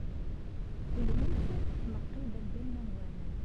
Tulmut tmeqqi-d anida llan waman.